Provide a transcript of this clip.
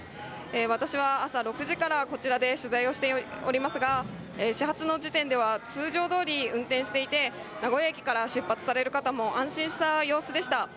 私は朝６時からこちらで取材をしておりますが、始発の時点では通常どおり運転していて、名古屋駅から出発される方も安心した様子でした。